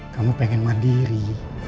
kamu pengen mandiri